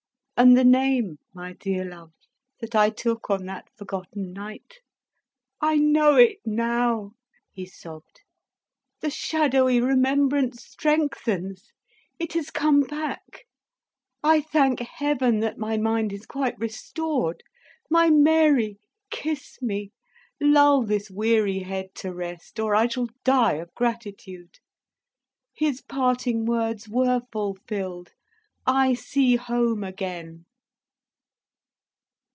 And the name, my dear love, that I took on that forgotten night " "I know it now!" he sobbed. "The shadowy remembrance strengthens. It is come back. I thank Heaven that my mind is quite restored! My Mary, kiss me; lull this weary head to rest, or I shall die of gratitude. His parting words were fulfilled. I see Home again!"